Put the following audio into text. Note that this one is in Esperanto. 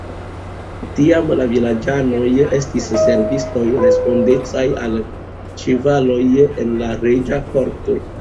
Tiam la vilaĝanoj estis servistoj respondecaj al ĉevaloj en la reĝa korto.